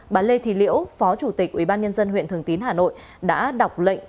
bà lê thị liễu phó chủ tịch ubnd huyện thường tín hà nội đã đọc lệnh